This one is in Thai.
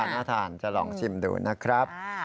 น่าทานจะลองชิมดูนะครับ